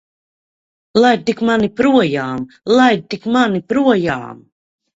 Laid tik mani projām! Laid tik mani projām!